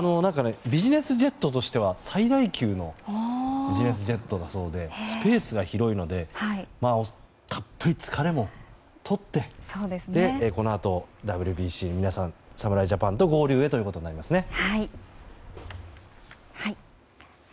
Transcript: ビジネスジェットとしては最大級のビジネスジェットだそうでスペースが広いのでたっぷり疲れもとってこのあとＷＢＣ侍ジャパンの皆さんと合流へとなりますね。